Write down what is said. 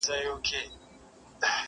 د عادل پاچا په نوم یې وو بللی!!